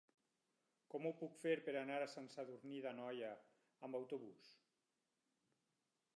Com ho puc fer per anar a Sant Sadurní d'Anoia amb autobús?